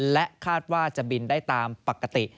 และคาดว่าจะบินได้ตามปกติ